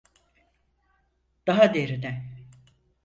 Daha derine.